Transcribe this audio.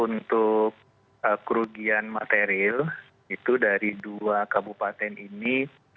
untuk kerugian material itu dari dua kabupaten ini